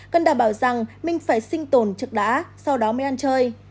cần đảm bảo rằng mình phải sinh tồn trực đã sau đó mới ăn chơi